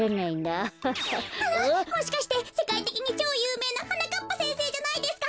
あのもしかしてせかいてきにちょうゆうめいなはなかっぱせんせいじゃないですか？